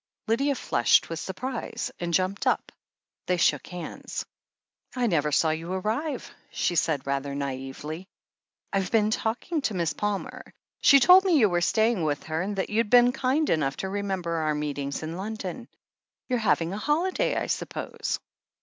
Lydia flushed with surprise and jumped up. They shook hands. "I never saw you arrive," she said rather naively. "Fve been talking to Miss Palmer. She told me you were staying with her, and that you'd been kind enough to remember our meetings in London. You're having a holiday, I suppose